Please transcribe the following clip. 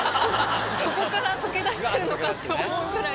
そこから溶けだしてるのかと思うぐらい。